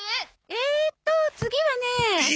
えっと次はねえ。